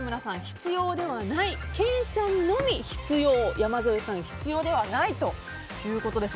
必要ではないケイさんのみ、必要山添さんは必要ではないと。